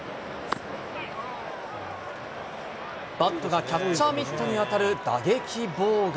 バットがキャッチャーミットに当たる打撃妨害。